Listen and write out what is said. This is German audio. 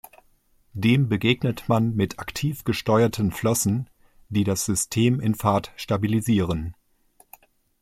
Dem begegnet man mit aktiv gesteuerten Flossen, die das System in Fahrt stabilisieren.